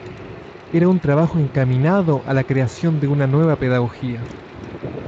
Era un trabajo encaminado a la creación de una nueva pedagogía.